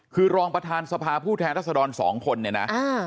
คือรองประธานสภาผู้แทนรัศดรสองคนเนี่ยนะ